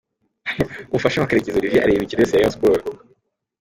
Umufasha wa Karekezi Olivier areba imikino yose ya Rayon Sports.